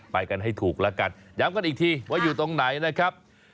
ไปกันให้ถูกแล้วกันย้ำกันอีกทีว่าอยู่ตรงไหนนะครับ